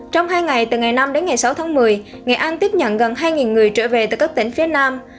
trong hai ngày từ ngày năm đến ngày sáu tháng một mươi nghệ an tiếp nhận gần hai người trở về từ các tỉnh phía nam